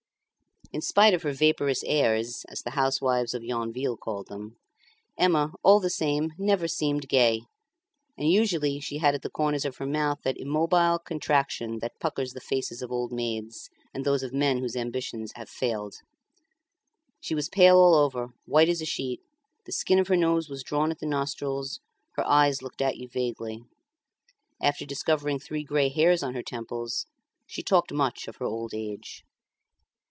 In spite of her vapourish airs (as the housewives of Yonville called them), Emma, all the same, never seemed gay, and usually she had at the corners of her mouth that immobile contraction that puckers the faces of old maids, and those of men whose ambition has failed. She was pale all over, white as a sheet; the skin of her nose was drawn at the nostrils, her eyes looked at you vaguely. After discovering three grey hairs on her temples, she talked much of her old age.